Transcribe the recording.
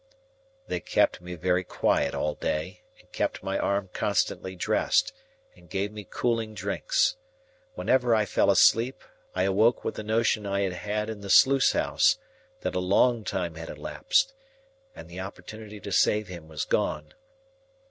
They kept me very quiet all day, and kept my arm constantly dressed, and gave me cooling drinks. Whenever I fell asleep, I awoke with the notion I had had in the sluice house, that a long time had elapsed and the opportunity to save him was gone.